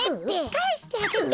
かえしてあげて！